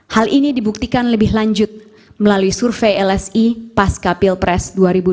hal ini dibuktikan lebih lanjut melalui survei lsi pasca pilpres dua ribu dua puluh